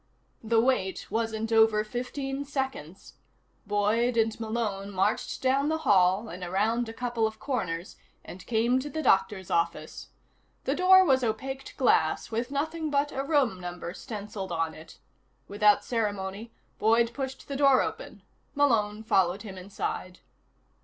The wait wasn't over fifteen seconds. Boyd and Malone marched down the hall and around a couple of corners, and came to the doctor's office. The door was opaqued glass with nothing but a room number stenciled on it. Without ceremony, Boyd pushed the door open. Malone followed him inside.